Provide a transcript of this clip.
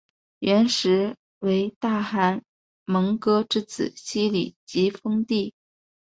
元时为大汗蒙哥之子昔里吉封地。